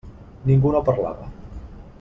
Ningú no parlava.